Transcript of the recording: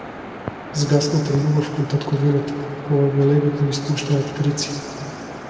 Згасната љубов кон татковината, кога галебите испуштаат крици.